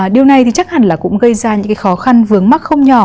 điều này chắc hẳn gây ra những khó khăn vướng mắt không nhỏ